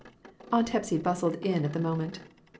" Aunt Hepsy bustled in at the moment.